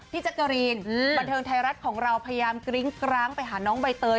แจ๊กกะรีนบันเทิงไทยรัฐของเราพยายามกริ้งกร้างไปหาน้องใบเตย